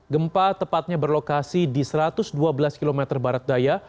gempa tepatnya berlokasi di satu ratus dua belas km barat daya